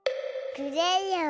クレヨン。